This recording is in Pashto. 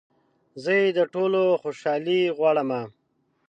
زه يې د ټولو خوشحالي غواړمه